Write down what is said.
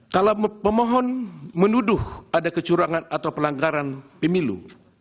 kalau pemohon menuduh ada kecurangan atau pelanggaran pemilu